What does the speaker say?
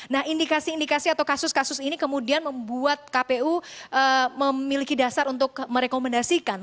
nah indikasi indikasi atau kasus kasus ini kemudian membuat kpu memiliki dasar untuk merekomendasikan